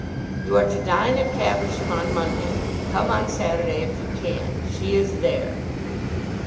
"You are to dine at Caversham on Monday. Come on Saturday if you can. She is there."